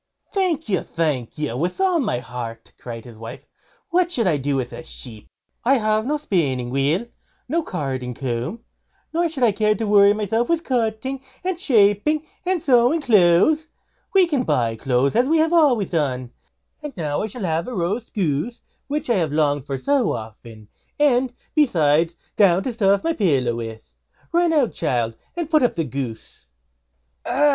"Thank you! thank you! with all my heart", cried his wife; "what should I do with a sheep? I have no spinning wheel, nor carding comb, nor should I care to worry myself with cutting, and shaping, and sewing clothes. We can buy clothes now, as we have always done; and now I shall have roast goose, which I have longed for so often; and, besides, down to stuff my little pillow with. Run out, child, and put up the goose." "Ah!"